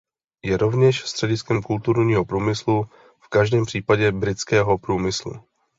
Je rovněž střediskem kulturního průmyslu, v každém případě britského průmyslu.